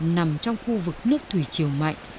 nằm trong khu vực nước thủy chiều mạnh